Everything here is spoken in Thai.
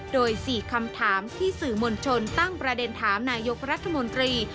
โดย๔คำถามที่สื่อมวลชนตั้งประเด็นถามนายกรัฐมนตรี